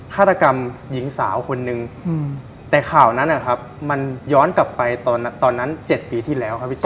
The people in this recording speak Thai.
ฆาตกรรมหญิงสาวคนนึงแต่ข่าวนั้นนะครับมันย้อนกลับไปตอนนั้น๗ปีที่แล้วครับพี่แจ